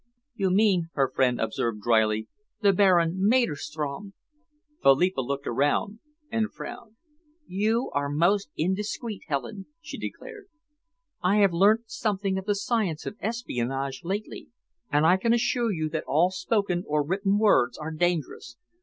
"You mean," her friend observed drily "the Baron Maderstrom." Philippa looked around and frowned. "You are most indiscreet, Helen," she declared. "I have learnt something of the science of espionage lately, and I can assure you that all spoken or written words are dangerous.